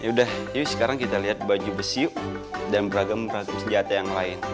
yaudah yuk sekarang kita lihat baju besiuk dan beragam ratu senjata yang lain